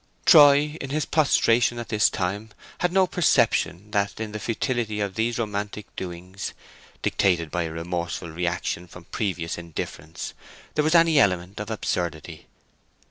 Troy, in his prostration at this time, had no perception that in the futility of these romantic doings, dictated by a remorseful reaction from previous indifference, there was any element of absurdity.